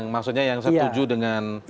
maksudnya yang setuju dengan